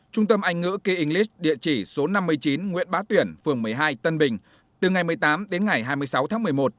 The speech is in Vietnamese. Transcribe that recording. trung tâm anh ngữ kia english địa chỉ số năm mươi chín nguyễn bá tuyển phường một mươi hai tân bình từ ngày một mươi tám đến ngày hai mươi sáu tháng một mươi một